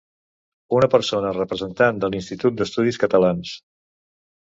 Una persona representant de l'Institut d'Estudis Catalans.